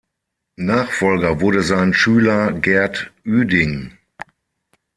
Nachfolger wurde sein Schüler Gert Ueding.